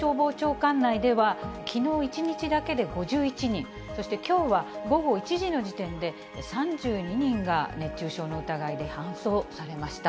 管内では、きのう１日だけで５１人、そしてきょうは午後１時の時点で３２人が熱中症の疑いで搬送されました。